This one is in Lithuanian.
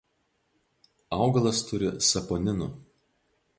Augalas turi saponinų.